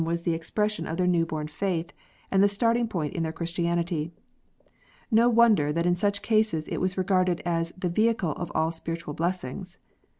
90 KNOTS UNTIED. sion of their new born faith, and the starting point in their Christianity. ISTo wonder that in such cases it was regarded as the vehicle of all spiritual blessings.